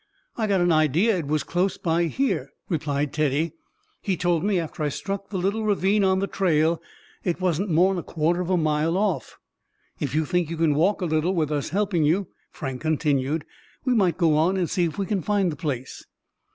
"I got an idea it was close by here," replied Teddy. "He told me after I struck the little ravine on the trail it wasn't more'n a quarter of a mile off." "If you think you can walk a little, with us helping you," Frank continued, "we might go on and see if we can find the place."